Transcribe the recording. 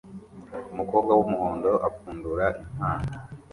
Umukobwa wumuhondo apfundura impano